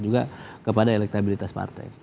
juga kepada elektabilitas partai